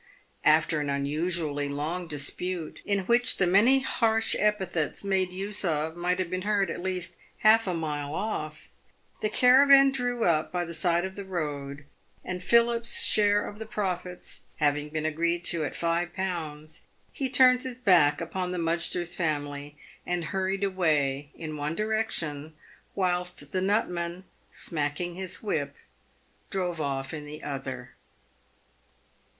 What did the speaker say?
After an unusually long dispute, in which the many harsh epithets made use of might have been heard at least half a mile off, the caravan drew up by the side of the road, and Philip's share of the profits having been agreed to at five pounds, he turned his back upon the Mudgster's family, and hurried away in one direction, whilst the nutinan, smacking his whip, drove off in the other.